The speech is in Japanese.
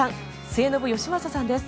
末延吉正さんです。